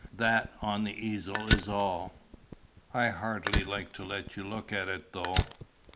That on the easel is all. I hardly like to let you look at it, though."